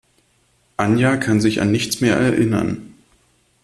Anja kann sich an nichts mehr erinnern.